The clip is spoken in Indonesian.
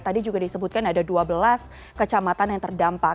tadi juga disebutkan ada dua belas kecamatan yang terdampak